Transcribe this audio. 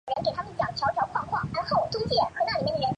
长花柱虎耳草为虎耳草科虎耳草属下的一个变种。